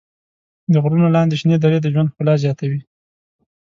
د غرونو لاندې شنې درې د ژوند ښکلا زیاتوي.